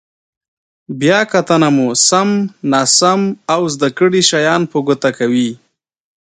بیا کتنه مو سم، ناسم او زده کړي شیان په ګوته کوي.